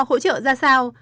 hỗ trợ ra sao